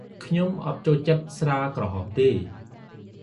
ខ្ញុំអត់ចូលចិត្តស្រាក្រហមទេ ។